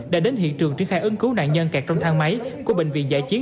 đã đến hiện trường triển khai ứng cứu nạn nhân kẹt trong thang máy của bệnh viện giải chiến